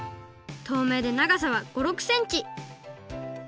とうめいでながさは５６センチ